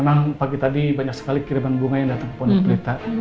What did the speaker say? memang pagi tadi banyak sekali kiriman bunga yang datang ke pondok berita